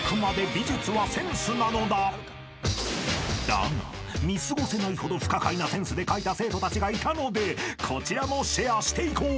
［だが見過ごせないほど不可解なセンスで描いた生徒たちがいたのでこちらもシェアしていこう］